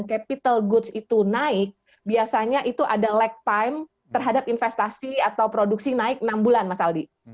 dan kapital goods itu naik biasanya itu ada lag time terhadap investasi atau produksi naik enam bulan mas aldi